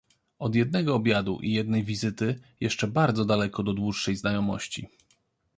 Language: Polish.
"Od jednego obiadu i jednej wizyty, jeszcze bardzo daleko do dłuższej znajomości."